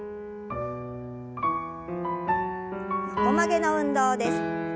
横曲げの運動です。